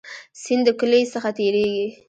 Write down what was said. سیند د کلی څخه تیریږي